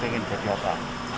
ketika ingin jadi apa